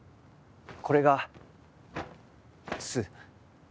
これが「す」。